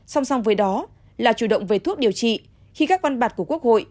song song với đó là chủ động về thuốc điều trị khi các quan bạc của quốc hội